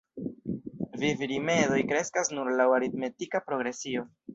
Vivrimedoj kreskas nur laŭ aritmetika progresio.